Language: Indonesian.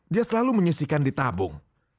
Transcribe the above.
dia selalu menyisihkan di tabung